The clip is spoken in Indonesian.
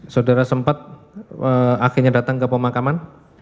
saudara sempat akhirnya datang ke pemakaman